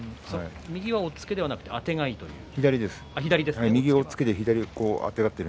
右は押っつけではなくあてがい。